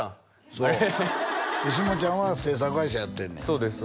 そう下ちゃんは制作会社やってんねやそうです